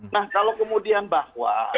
nah kalau kemudian bahwa